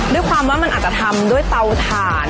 ด้วยความว่ามันอาจจะทำด้วยเตาถ่าน